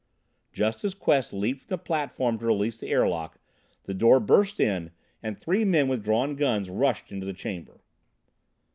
Just as Quest leaped from the platform to release the airlock, the door burst in and three men with drawn guns rushed into the chamber.